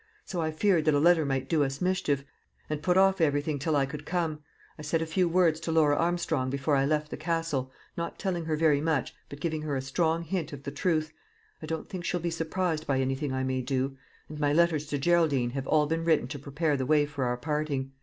So I feared that a letter might do us mischief, and put off everything till I could come. I said a few words to Laura Armstrong before I left the Castle not telling her very much, but giving her a strong hint of the truth. I don't think she'll be surprised by anything I may do; and my letters to Geraldine have all been written to prepare the way for our parting.